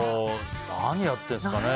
何やってるんですかね。